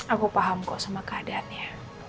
aku paham kok sama keadaannya